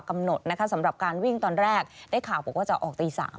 กำหนดนะคะสำหรับการวิ่งตอนแรกได้ข่าวบอกว่าจะออกตี๓